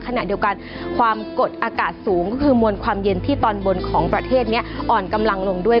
ขณะเดียวกันความกดอากาศสูงก็คือมวลความเย็นที่ตอนบนของประเทศนี้อ่อนกำลังลงด้วย